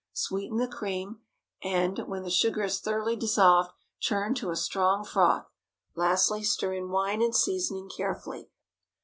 Sweeten the cream, and, when the sugar is thoroughly dissolved, churn to a strong froth. Lastly, stir in wine and seasoning, carefully.